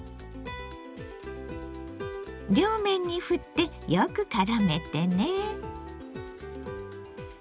両面にふってよくからめてね。